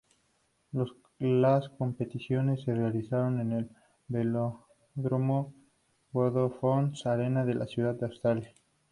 Las competiciones se realizaron en el velódromo Vodafone Arena de la ciudad australiana.